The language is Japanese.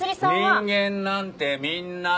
人間なんてみんなそう。